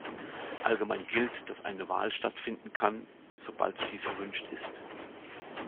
Allgemein gilt, dass eine Wahl stattfinden kann, sobald dies erwünscht ist.